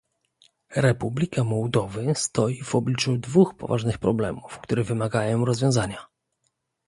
Republika Mołdowy stoi w obliczu dwóch poważnych problemów, które wymagają rozwiązania